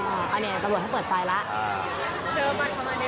โอ้นี่ตำรวจก็เปิดไฟแล้ว